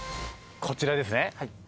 こちらですね？